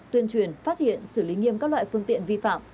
tuyên truyền phát hiện xử lý nghiêm các loại phương tiện vi phạm